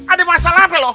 ada masalah apa lu